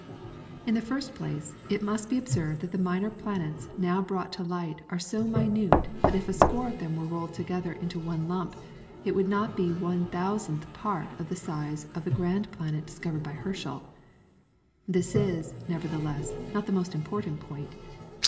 In the first place, it must be observed that the minor planets now brought to light are so minute that if a score of them were rolled to together into one lump it would not be one thousandth part of the size of the grand planet discovered by Herschel. This is, nevertheless, not the most important point.